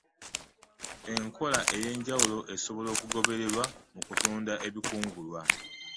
Enkola ey’enjawulo esobola okugobererwa mukutunda ebikungulwa.